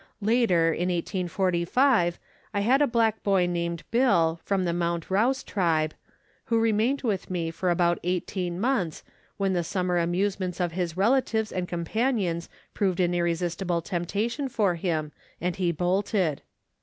Later, in 1845, I had a black boy named " Bill," from the Mount Rouse tribe, who remained with me for about eighteen months, when the summer amusements of his relatives and companions proved an irresistible temptation for him, and he bolted.